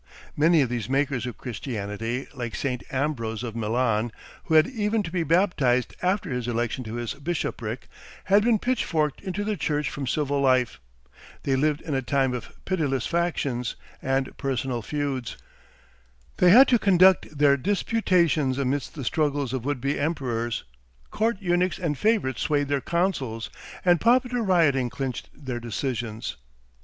Many of these makers of Christianity, like Saint Ambrose of Milan (who had even to be baptised after his election to his bishopric), had been pitchforked into the church from civil life; they lived in a time of pitiless factions and personal feuds; they had to conduct their disputations amidst the struggles of would be emperors; court eunuchs and favourites swayed their counsels, and popular rioting clinched their decisions.